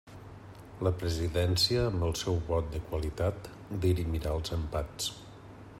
La presidència, amb el seu vot de qualitat, dirimirà els empats.